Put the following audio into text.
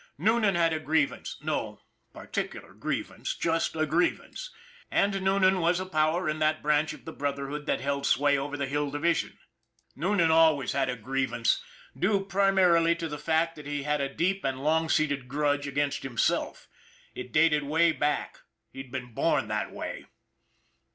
Noonan had a grievance, no par ticular grievance, just a grievance and Noonan was a power in that branch of the Brotherhood that held sway over the Hill Division. Noonan always had a 278 ON THE IRON AT BIG CLOUD grievance; due, primarily, to the fact that he had a deep and long seated grudge against himself. It dated way back he'd been born that way.